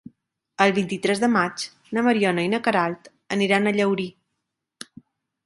El vint-i-tres de maig na Mariona i na Queralt aniran a Llaurí.